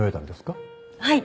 はい。